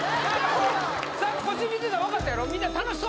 さっきこっち見てて分かったやろ？